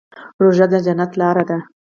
روژه د جنت لاره ده.